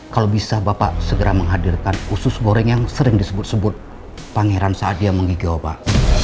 kalau bisa bapak segera menghadirkan usus goreng yang sering disebut sebut pangeran saat dia menggigil pak